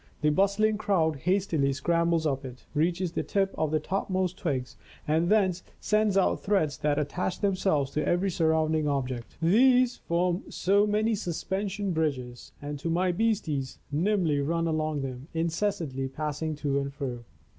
The bustling crowd hastily scrambles up it, reaches the tip of the topmost twigs and thence sends out threads that attach themselves to every surrounding object. These form so many suspension bridges, and my beasties nimbly run along them, in cessantly passing to and fro.